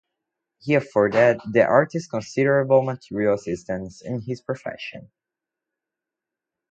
He afforded the artist considerable material assistance in his profession.